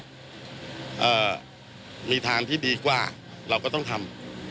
อ่ามีทางที่ดีกว่าเราก็ต้องทำ